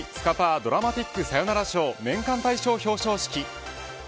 ドラマティック・サヨナラ賞年間大賞表彰式。